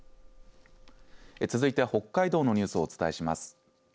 続いて北海道のニュースをお伝えします。